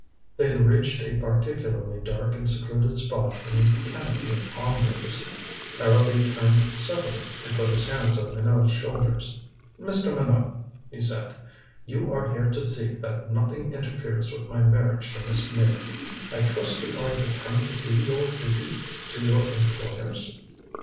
They had reached a particularly dark and secluded spot beneath the canopy of palm leaves. Harrowby turned suddenly and put his hands on Minot's shoulders. "Mr. Minot," he said, "you are here to see that nothing interferes with my marriage to Miss Meyrick. I trust you are determined to do your duty to your employers?"